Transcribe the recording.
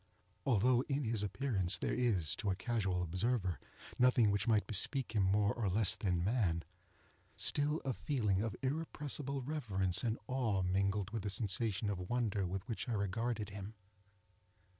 Although in his appearance there is, to a casual observer, nothing which might bespeak him more or less than man, still, a feeling of irrepressible reverence and awe mingled with the sensation of wonder with which I regarded him.